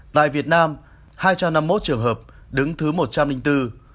tại việt nam hai trăm năm mươi một trường hợp đứng thứ một trăm linh bốn